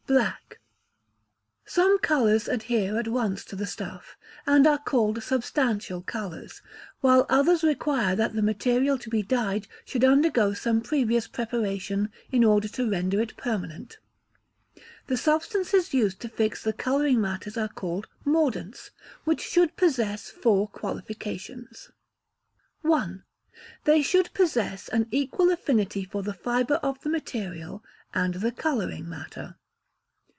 Black } Ternary. Some colours adhere at once to the stuff, and are called substantial colours; while others require that the material to be dyed should undergo some previous preparation in order to render it permanent. The substances used to fix the colouring matters are called mordants, which should possess four qualifications: i. They should possess an equal affinity for the fibre of the material and the colouring matter.